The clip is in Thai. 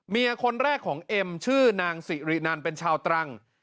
เมียคนแรกของเอ็มชื่อนางสิรินันเป็นชาวตรัง